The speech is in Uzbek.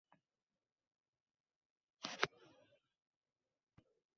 Haligi shlyapali kattakon miyig‘ida kuldi.